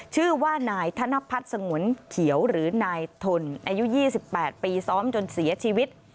ชื่อว่านายธนพัฒน์สงวนเขียวหรือนายทนอายุ๒๘ปีซ้อมจนเสียชีวิต